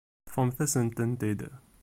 Ṭṭfemt-asent-tent-id.